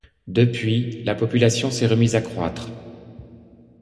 Depuis, la population s’est remise à croître.